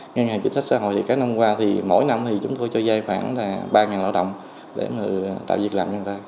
ngân hàng chính sách xã hội thì các năm qua thì mỗi năm thì chúng tôi cho dây khoảng ba lao động để tạo việc làm cho người ta